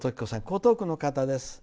江東区の方です。